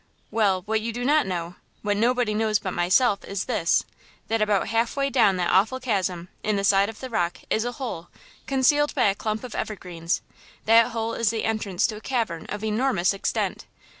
"Well, what you do not know–what nobody knows but myself is this–that about half way down that awful chasm, in the side of the rock, is a hole, concealed by a clump of evergreens; that hole is the entrance to a cavern of enormous extent!